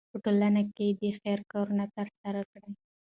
په ټولنه کې د خیر کارونه ترسره کړئ.